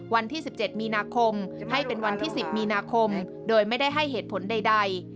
วันที่๑๗มีนาคมให้เป็นวันที่๑๐มีนาคมโดยไม่ได้ให้เหตุผลใด